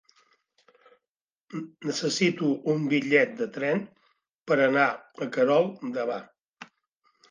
Necessito un bitllet de tren per anar a Querol demà.